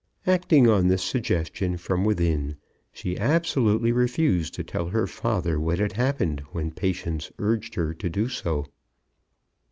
Acting on this suggestion from within, she absolutely refused to tell her father what had happened when Patience urged her to do so.